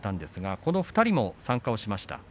この２人も参加しました。